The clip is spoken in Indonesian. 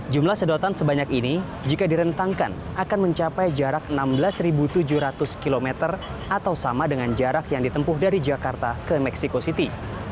jumlah sedotan sebanyak ini jika direntangkan akan mencapai jarak enam belas tujuh ratus km atau sama dengan jarak yang ditempuh dari jakarta ke meksiko city